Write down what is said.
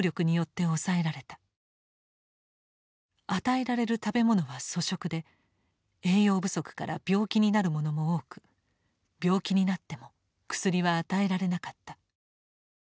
与えられる食べ物は粗食で栄養不足から病気になる者も多く病気になっても薬は与えられなかった。